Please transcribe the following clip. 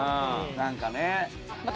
何かね。